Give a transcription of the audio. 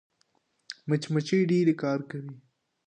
مچمچۍ ډېر کار کوي